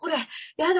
やだ！